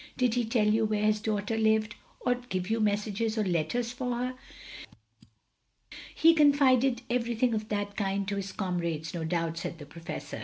Did he tell you where his daughter lived? or give you messages or letters for her?" "He confided everything of that kind to his comrades, no doubt," said the Professor.